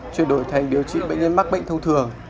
chuyển đổi thành điều trị bệnh nhân mắc bệnh thông thường